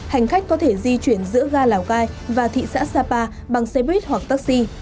hành khách có thể di chuyển giữa ga lào cai và thị xã sapa bằng xe buýt hoặc taxi